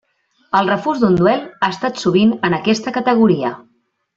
El refús d'un duel ha estat sovint en aquesta categoria.